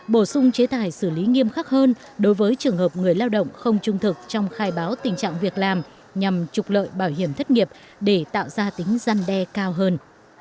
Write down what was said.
bổ sung chế tài xử lý nghiêm khắc hơn đối với trường hợp người lao động không trung thực trong khai báo tình trạng việc làm nhằm trục lợi bảo hiểm thất nghiệp để tạo ra tính gian đe cao hơn